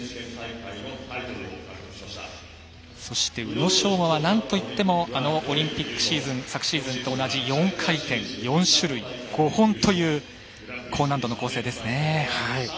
そして、宇野昌磨はなんといってもオリンピックシーズンの昨シーズンと同じ４回転４種類５本という高難度の構成ですね。